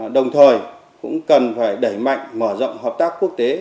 đồng thời cũng cần phải đẩy mạnh mở rộng hợp tác quốc tế